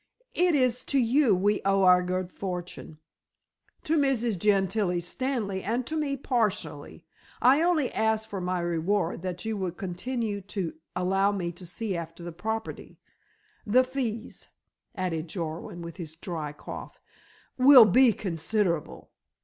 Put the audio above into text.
"It is to you we owe our good fortune." "To Mrs. Gentilla Stanley and to me partially. I only ask for my reward that you will continue to allow me to see after the property. The fees," added Jarwin with his dry cough, "will be considerable."